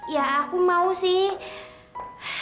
ya aku mau sih